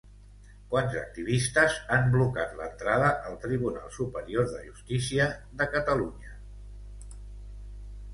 Quants activistes han blocat l'entrada al Tribunal Superior de Justícia de Catalunya?